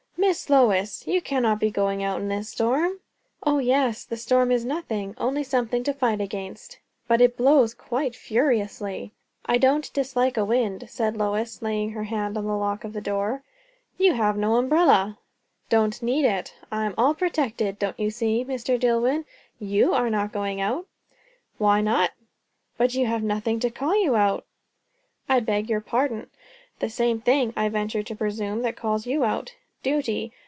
"Miss Lois! you cannot be going out in this storm?" "O yes. The storm is nothing only something to fight against." "But it blows quite furiously." "I don't dislike a wind," said Lois, laying her hand on the lock of the door. "You have no umbrella?" "Don't need it. I am all protected, don't you see? Mr. Dillwyn, you are not going out?" "Why not?" "But you have nothing to call you out?" "I beg your pardon. The same thing, I venture to presume, that calls you out, duty.